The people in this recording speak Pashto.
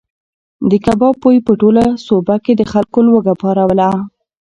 د کباب بوی په ټوله سوبه کې د خلکو لوږه پاروله.